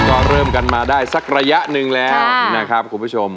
ก็เริ่มกันมาได้สักระยะหนึ่งแล้วนะครับคุณผู้ชม